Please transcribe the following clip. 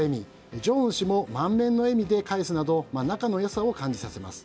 正恩氏も満面の笑みで返すなど仲の良さを感じさせます。